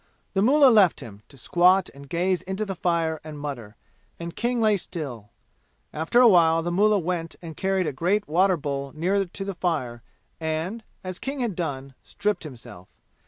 The mullah left him, to squat and gaze into the fire, and mutter, and King lay still. After a while the mullah went and carried a great water bowl nearer to the fire and, as King had done, stripped himself.